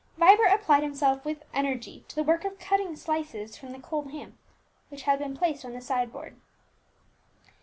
Vibert applied himself with energy to the work of cutting slices from the cold ham which had been placed on the side board.